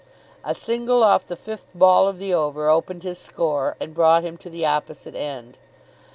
A single off the fifth ball of the over opened his score and brought him to the opposite end.